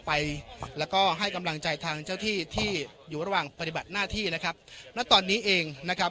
ไปแล้วก็ให้กำลังใจทางเจ้าที่ที่อยู่ระหว่างปฏิบัติหน้าที่นะครับณตอนนี้เองนะครับ